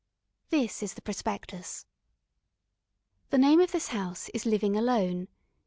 This is the prospectus: The name of this house is Living Alone.